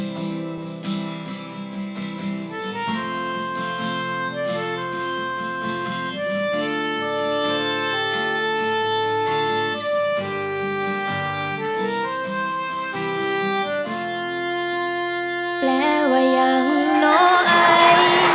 แปลว่ายังโนไอ